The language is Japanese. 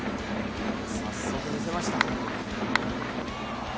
早速見せました。